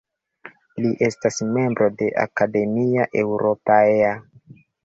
Li estas membro de Academia Europaea.